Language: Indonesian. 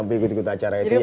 sampai ikut ikut acara itu ya